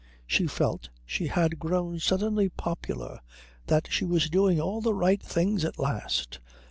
She felt she had grown suddenly popular, that she was doing all the right things at last.